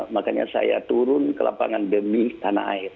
makanya saya turun ke lapangan demi tanah air